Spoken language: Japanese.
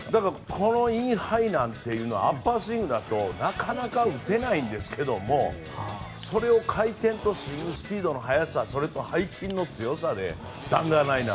このインハイはアッパースイングだとなかなか打てないんですけどそれを回転とスイングスピードの速さそれと背筋の強さで弾丸ライナー。